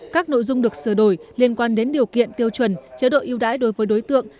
các nội dung được sửa đổi liên quan đến điều kiện tiêu chuẩn chế độ ưu đãi đối với đối tượng